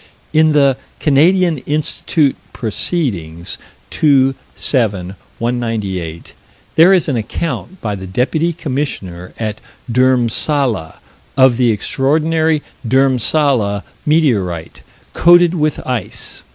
In the Canadian Institute Proceedings, 2 7 198, there is an account, by the Deputy Commissioner at Dhurmsalla, of the extraordinary Dhurmsalla meteorite coated with ice.